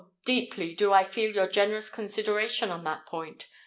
deeply do I feel your generous consideration on that point.